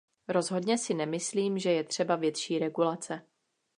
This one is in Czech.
Rozhodně si nemyslím, že je třeba větší regulace.